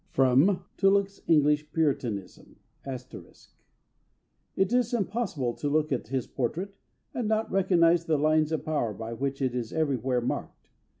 [Sidenote: Tulloch's English Puritanism. *] "It is impossible to look at his portrait, and not recognise the lines of power by which it is everywhere marked.